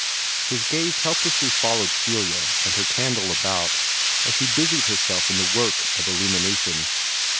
His gaze helplessly followed Celia and her candle about as she busied herself in the work of illumination.